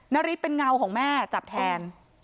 นาริสเป็นเงาของแม่จับแทน